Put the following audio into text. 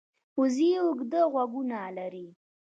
وزې اوږده غوږونه لري